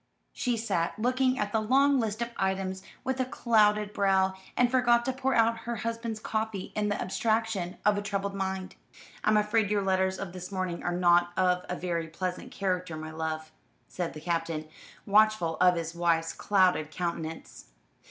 She sat looking at the long list of items with a clouded brow, and forgot to pour out her husband's coffee in the abstraction of a troubled mind. "I'm afraid your letters of this morning are not of a very pleasant character, my love," said the Captain, watchful of his wife's clouded countenance.